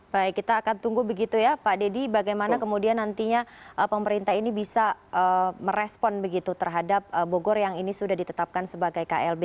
baik kita akan tunggu begitu ya pak deddy bagaimana kemudian nantinya pemerintah ini bisa merespon begitu terhadap bogor yang ini sudah ditetapkan sebagai klb